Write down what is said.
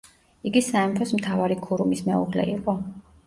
იგი სამეფოს მთავარი ქურუმის მეუღლე იყო.